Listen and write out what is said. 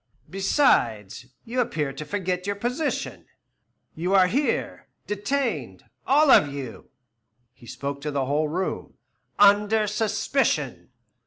Besides, you appear to forget your position. You are here, detained all of you" he spoke to the whole room "under suspicion.